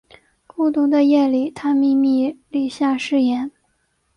孤独的夜里他秘密立下誓言